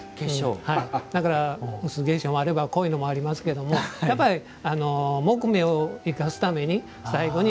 だから薄化粧もあれば濃いのもありますけどもやっぱり木目を生かすために最後にああいう化粧。